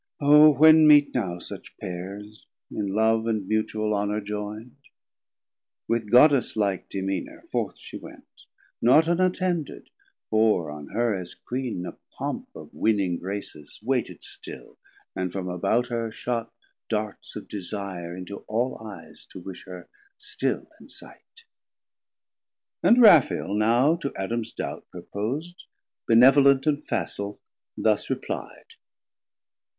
O when meet now Such pairs, in Love and mutual Honour joyn'd? With Goddess like demeanour forth she went; Not unattended, for on her as Queen 60 A pomp of winning Graces waited still, And from about her shot Darts of desire Into all Eyes to wish her still in sight. And Raphael now to Adam's doubt propos'd Benevolent and facil thus repli'd.